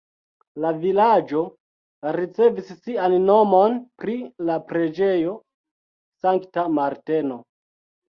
La vilaĝo ricevis sian nomon pri la preĝejo Sankta Marteno.